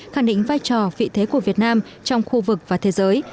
khẳng định vai trò vị thế của việt nam trong khu vực và thế giới